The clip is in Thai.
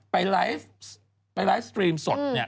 ไปไลฟ์สตรีมสดเนี่ย